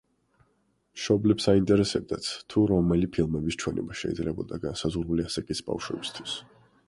მშობლებს აინტერესებდათ, თუ რომელი ფილმების ჩვენება შეიძლებოდა განსაზღვრული ასაკის ბავშვებისთვის.